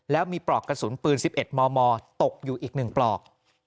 แล้วมีปลอกกระสุนปืน๑๑มมตกอยู่อีก๑ปลอก